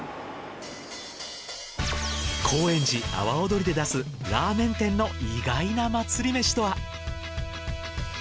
高円寺阿波おどりで出すラーメン店の意外な祭りめしとは？